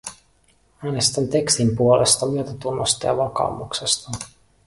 Äänestän tekstin puolesta myötätunnosta ja vakaumuksesta.